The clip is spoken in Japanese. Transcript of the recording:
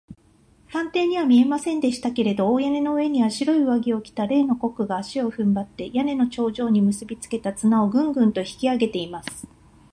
探偵には見えませんでしたけれど、大屋根の上には、白い上着を着た例のコックが、足をふんばって、屋根の頂上にむすびつけた綱を、グングンと引きあげています。